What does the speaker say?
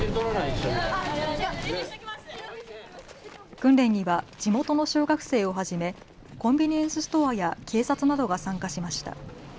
訓練には地元の小学生をはじめコンビニエンスストアや警察などが参加しました。